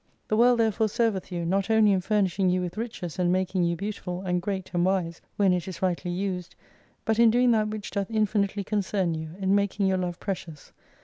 The world therefore serveth you, not only in furnishing you with riches, and making you beautiful, and great and wise, v/hen it is rightly used : but in doing that which doth infinitely concern you, in making your love precious.